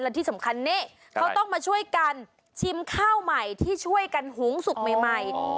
และที่สำคัญนี่เขาต้องมาช่วยกันชิมข้าวใหม่ที่ช่วยกันหุงสุกใหม่